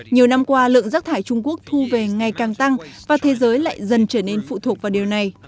nhiều năm qua lượng rác thải trung quốc thu về ngày càng tăng và thế giới lại dần trở nên phụ thuộc vào điều này